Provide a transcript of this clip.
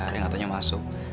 ya nggak tanya masuk